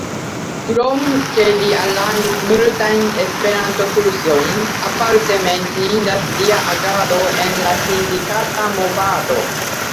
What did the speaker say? Krom ke li aranĝis multajn Esperanto-kursojn, aparte menciindas lia agado en la sindikata movado.